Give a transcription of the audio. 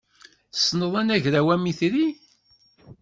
Tessneḍ anagraw amitri?